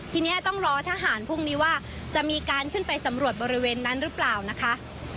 ทีนี้ต้องรอทหารพรุ่งนี้ว่าจะมีการขึ้นไปสำรวจบริเวณนั้นหรือเปล่านะคะ